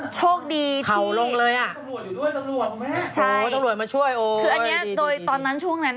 เจ็บไปแน่